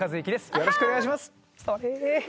よろしくお願いします。